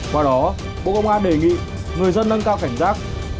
qua đó bộ công an đề nghị người dân nâng cao cảnh giác